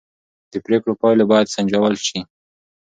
د پرېکړو پایلې باید سنجول شي